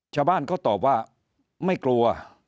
ชาวบ้านเขาตอบว่าไม่กลัว